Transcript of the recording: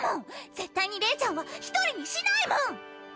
絶対にレイちゃんは独りにしないもん！